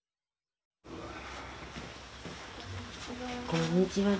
こんにちは。